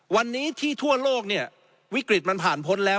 วันนี้ที่ทั่วโลกเนี่ยวิกฤตมันผ่านพ้นแล้ว